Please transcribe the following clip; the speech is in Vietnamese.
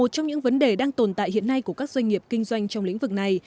các vấn đề đang tồn tại hiện nay của các doanh nghiệp kinh doanh trong lĩnh vực này